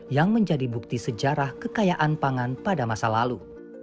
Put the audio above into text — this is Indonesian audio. yang menjadi bukti sejarah kekayaan pangan pada masa lalu